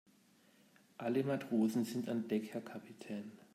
Alle Matrosen sind an Deck, Herr Kapitän.